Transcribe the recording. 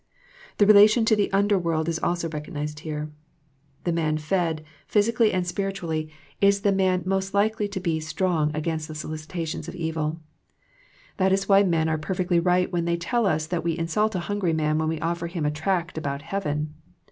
The relation to the under world is also recog nized here. The man fed, physically and spirit THE PLANE OF PEAYER 95 ually, is the man most likely to be strong against the solicitations of evil. That is why men are perfectly right when they tell us that we insult a hungry man when we offer him a tract about heaven.